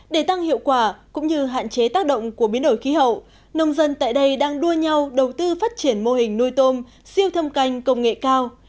để tăng hiệu quả cũng như hạn chế tác động của biến đổi khí hậu nông dân tại đây đang đua nhau đầu tư phát triển mô hình nuôi tôm siêu thâm canh công nghệ cao